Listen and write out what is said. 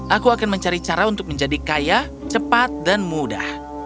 aku akan mencari cara untuk menjadi kaya cepat dan mudah